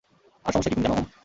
আর সমস্যা কি তুমি জানো, ওম?